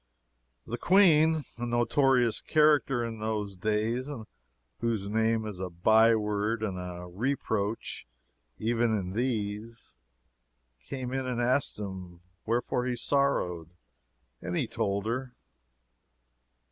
The Queen, a notorious character in those days, and whose name is a by word and a reproach even in these, came in and asked him wherefore he sorrowed, and he told her.